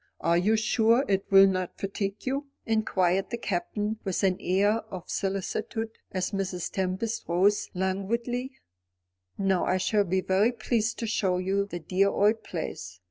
Are you sure it will not fatigue you?" inquired the Captain, with an air of solicitude, as Mrs. Tempest rose languidly. "No; I shall be very pleased to show you the dear old place.